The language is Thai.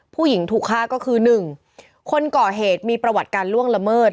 ผู้หญิงถูกฆ่าก็คือ๑คนก่อเหตุมีประวัติการล่วงละเมิด